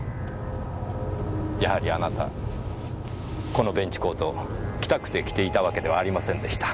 やはりあなたこのベンチコート着たくて着ていたわけではありませんでした。